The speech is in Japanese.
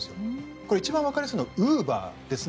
これ、一番わかりやすいのがウーバーですね。